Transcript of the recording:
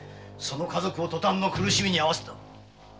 その家族を塗炭の苦しみに遭わせた。